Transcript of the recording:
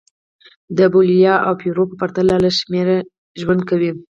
د بولیویا او پیرو په پرتله لږ شمېر ژوند کوي.